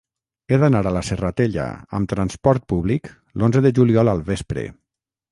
He d'anar a la Serratella amb transport públic l'onze de juliol al vespre.